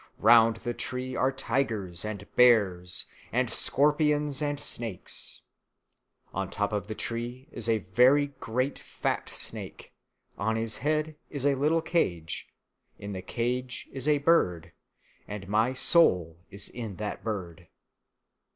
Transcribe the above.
Round the tree are tigers, and bears, and scorpions, and snakes; on the top of the tree is a very great fat snake; on his head is a little cage; in the cage is a bird; and my soul is in that bird."